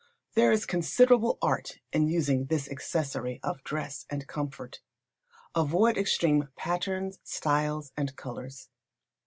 There is considerable art in using this accessory of dress and comfort. Avoid extreme patterns, styles, and colours.